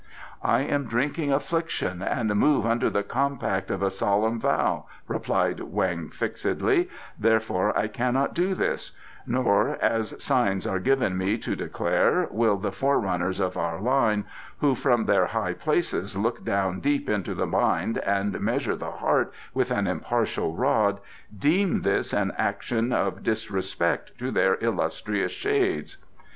"I am drinking affliction and move under the compact of a solemn vow," replied Weng fixedly, "therefore I cannot do this; nor, as signs are given me to declare, will the forerunners of our line, who from their high places look down deep into the mind and measure the heart with an impartial rod, deem this an action of disrespect to their illustrious shades."